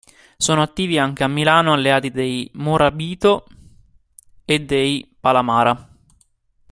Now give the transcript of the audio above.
Sono attivi anche a Milano, alleati dei Morabito e dei Palamara.